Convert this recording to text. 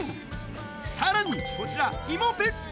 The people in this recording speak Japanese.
さらに、こちら、芋ぴっぴ。